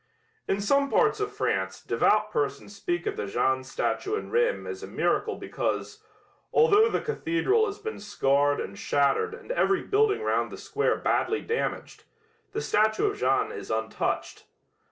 In some parts of France devout persons speak of the Jeanne statue in Rheims as a miracle because, although the cathedral has been scarred and shattered and every building round the square badly damaged, the statue of Jeanne is untouched.